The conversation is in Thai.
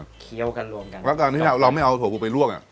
กักเคียวกันรวมกันแล้วก็อันนี้เนี้ยเราไม่เอาถั่วพูไปลวกอ่ะ